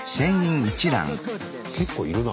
結構いるな。